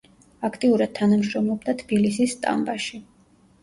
აქტიურად თანამშრომლობდა თბილისის სტამბაში.